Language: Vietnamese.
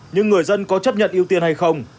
nhưng người dân có chấp nhận ưu tiên hay không